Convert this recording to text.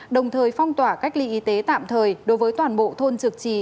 đồng thời phong tỏa cách ly y tế tạm thời đối với toàn bộ thôn trực trì